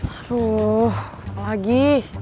aduh apa lagi